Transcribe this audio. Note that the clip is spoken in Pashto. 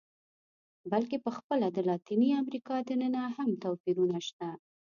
بلکې په خپله د لاتینې امریکا دننه هم توپیرونه شته.